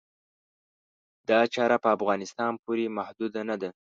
دا چاره په افغانستان پورې محدوده نه ده.